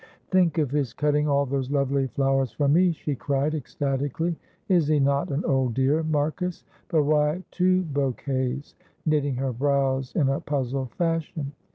"Think of his cutting all those lovely flowers for me," she cried, ecstatically. "Is he not an old dear, Marcus? But why two bouquets?" knitting her brows in a puzzled fashion.